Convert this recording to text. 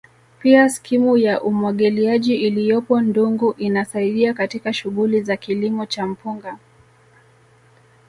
Pia skimu ya umwagiliaji iliyopo Ndungu inasaidia katika shughuli za kilimo cha mpunga